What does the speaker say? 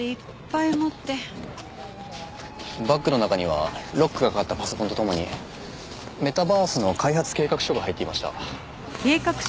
バッグの中にはロックがかかったパソコンと共にメタバースの開発計画書が入っていました。